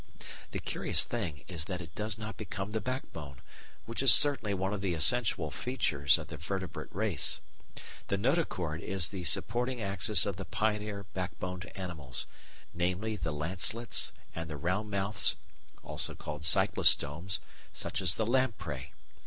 The curious thing is that it does not become the backbone, which is certainly one of the essential features of the vertebrate race. The notochord is the supporting axis of the pioneer backboned animals, namely the Lancelets and the Round mouths (Cyclostomes), such as the Lamprey.